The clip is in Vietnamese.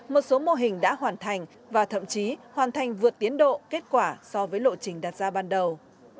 một số mô hình đã hoàn thành và thậm chí hoàn thành vượt tiến độ kết quả so với lộ trình đặt ra ban đầu